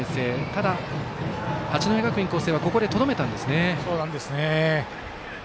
ただ、八戸学院光星はここでとどめたんですね。